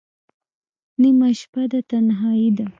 نیمه شپه ده تنهایی ده